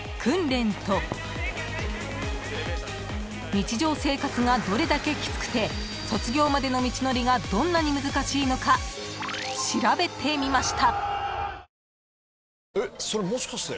［日常生活がどれだけきつくて卒業までの道のりがどんなに難しいのか調べてみました］